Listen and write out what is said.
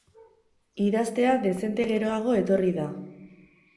Idaztea dezente geroago etorri da.